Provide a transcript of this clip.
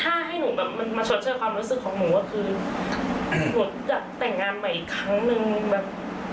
ถ้าให้หนูแบบมันมาชดเชยความรู้สึกของหนูก็คือหนูจะแต่งงานใหม่อีกครั้งนึงแบบ